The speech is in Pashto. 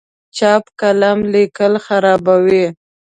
چپ قلم لیکل خرابوي.